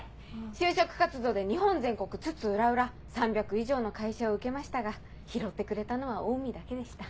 就職活動で日本全国津々浦々３００以上の会社を受けましたが拾ってくれたのはオウミだけでした。